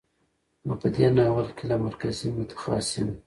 نو په دې ناول کې له مرکزي، متخاصم،